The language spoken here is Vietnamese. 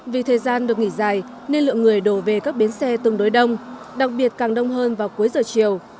vì thời gian được nghỉ dài nên lượng người đổ về các bến xe tương đối đông đặc biệt càng đông hơn vào cuối giờ chiều